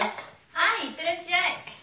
はいいってらっしゃい。